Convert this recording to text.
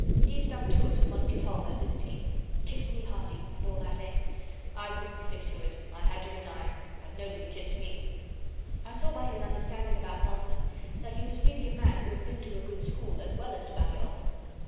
He stuck to it and won Trafalgar, didn't he? "Kiss me, Hardy" and all that, eh? I couldn't stick to it I had to resign. And nobody kissed me.' I saw by his understanding about Nelson that he was really a man who had been to a good school as well as to Balliol.